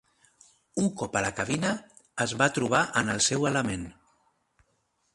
Un cop a la cabina, es va trobar en el seu element.